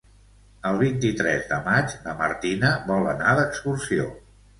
El vint-i-tres de maig na Martina vol anar d'excursió.